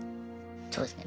そうですね